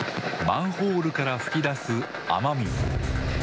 マンホールから噴き出す雨水。